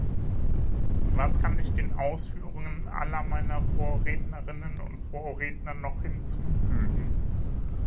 Was kann ich den Ausführungen aller meiner Vorrednerinnen und Vorredner noch hinzufügen?